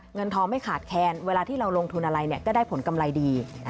เงินทองไม่ขาดแคนเวลาที่เราลงทุนอะไรก็ได้ผลกำไรดี